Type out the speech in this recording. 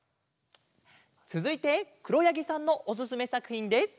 つづいてくろやぎさんのおすすめさくひんです。